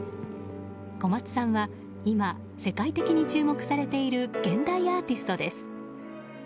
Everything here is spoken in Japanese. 小松さんは今世界的に注目されている現代アーティストです。